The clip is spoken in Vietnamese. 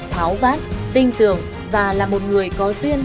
tháo vát tin tưởng và là một người có duyên